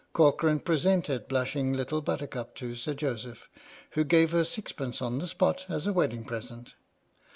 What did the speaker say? Corcoran presented blushing Little Buttercup to Sir Joseph, who gave her sixpence on the spot as a wedding present.